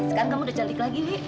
nah sekarang kamu udah calik lagi wik